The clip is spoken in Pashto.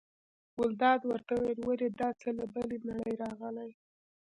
ګلداد ورته وویل: ولې دا څه له بلې نړۍ راغلي.